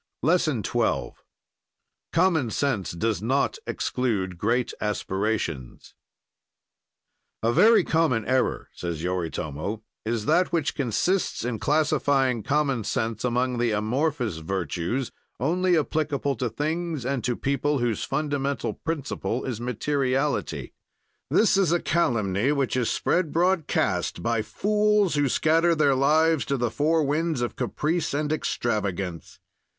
LESSON XII COMMON SENSE DOES NOT EXCLUDE GREAT ASPIRATIONS "A very common error," says Yoritomo, "is that which consists in classifying common sense among the amorphous virtues, only applicable to things and to people whose fundamental principle is materiality. "This is a calumny which is spread broadcast by fools who scatter their lives to the four winds of caprice and extravagance.